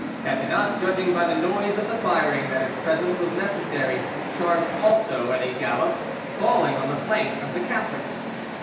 Catinat judging by the noise of the firing that his presence was necessary, charged also at a gallop, falling on the flank of the Catholics.